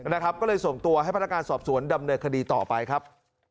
นะครับก็เลยส่งตัวให้พนักงานสอบสวนดำเนินคดีต่อไปครับ